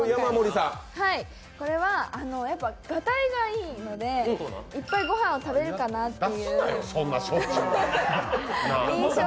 これはがたいがいいので、いっぱいご飯を食べるかなっていう印象。